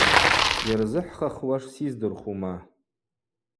Йырзыхӏхахуаш сиздырхума.